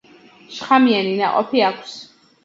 შხამიანი ნაყოფი აქვს.